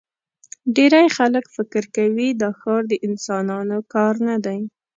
ډېری خلک فکر کوي دا ښار د انسانانو کار نه دی.